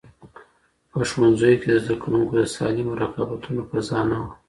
په ښوونځیو کي د زده کوونکو د سالمو رقابتونو فضا نه وه.